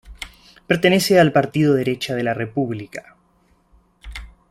Pertenece al partido Derecha de la República.